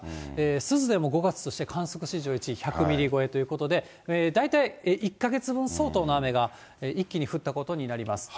珠洲でも５月として観測史上１位、１００ミリ超えということで、大体１か月分相当の雨が一気に降ったことになります。